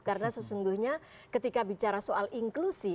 karena sesungguhnya ketika bicara soal inklusi